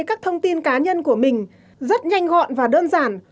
các thông tin cá nhân của mình rất nhanh gọn và đơn giản